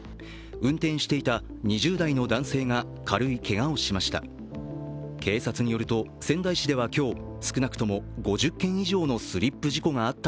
運転していた２０代の男性が軽いけがをしました。